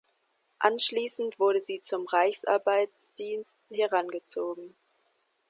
Anschließend wurde sie zum Reichsarbeitsdienst herangezogen.